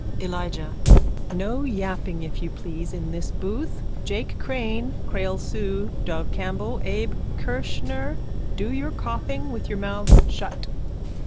_ ELIJAH: No yapping, if you please, in this booth. Jake Crane, Creole Sue, Dove Campbell, Abe Kirschner, do your coughing with your mouths shut.